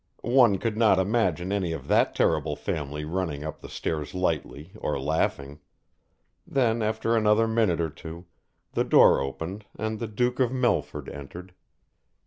One could not imagine any of that terrible family running up the stairs lightly or laughing. Then after another minute or two the door opened and the Duke of Melford entered.